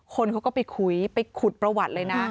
คนเขาก็ไปคุยไปขุดประวัติเลยนะ